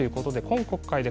今国会で